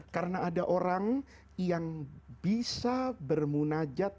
karena ada orang yang bisa bermunajat